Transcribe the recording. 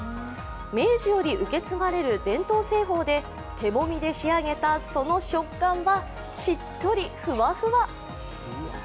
明治より受け継がれる伝統製法で手もみで仕上げたその食感はしっとり、ふわふわ。